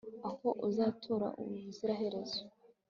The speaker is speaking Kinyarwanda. aho uzatura ubuzira herezo